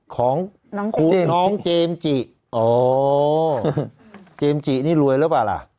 ของน้องเจมส์จิน้องเจมส์จิโอ้เจมส์จินี่รวยแล้วป่ะล่ะ